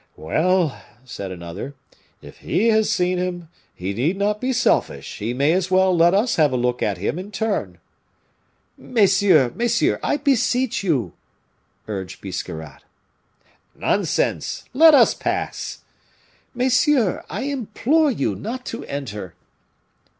"Well," said another, "if he has seen him, he need not be selfish; he may as well let us have a look at him in turn." "Messieurs! messieurs! I beseech you," urged Biscarrat. "Nonsense! Let us pass!" "Messieurs, I implore you not to enter!"